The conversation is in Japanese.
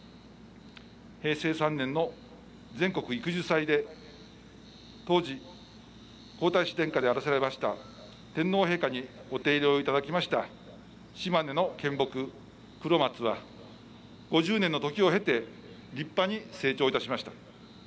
平成３年の全国育樹祭で、当時皇太子殿下であらせられました天皇陛下にお手入れをいただきました島根の県木クロマツは５０年のときを経て立派に成長いたしました。